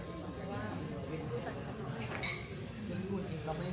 แต่สุดท้ายแล้วพอเวลาไปพูดให้พี่อย่างลงตัว